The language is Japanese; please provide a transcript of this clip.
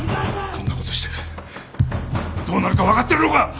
こんなことしてどうなるか分かってるのか！